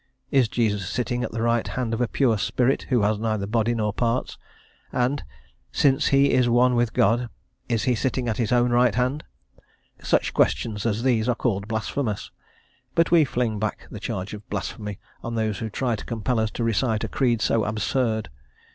Is Jesus sitting at the right hand of a pure spirit, who has neither body nor parts? and, since He is one with God, is He sitting at his own right hand? Such questions as these are called blasphemous; but we fling back the charge of blasphemy on those who try to compel us to recite a creed so absurd.